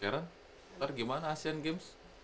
heran ntar gimana asian games